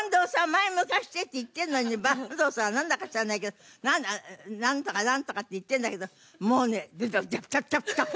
前向かせて！」って言ってるのに板東さんはなんだか知らないけどなんとかなんとかって言ってるんだけどもうねチャプチャプチャプチャプ。